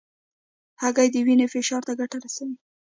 هګۍ د وینې فشار ته ګټه رسوي.